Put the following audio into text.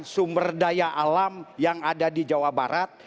sumber daya alam yang ada di jawa barat